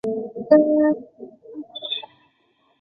上弗洛雷斯塔是巴西马托格罗索州的一个市镇。